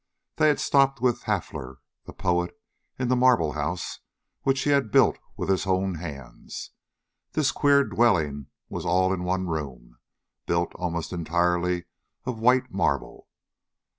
They had stopped with Hafler, the poet in the Marble House, which he had built with his own hands. This queer dwelling was all in one room, built almost entirely of white marble.